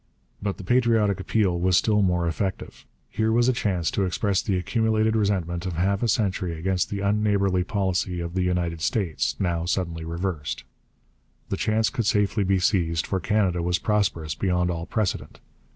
But the patriotic appeal was still more effective. Here was a chance to express the accumulated resentment of half a century against the unneighbourly policy of the United States, now suddenly reversed. The chance could safely be seized, for Canada was prosperous beyond all precedent.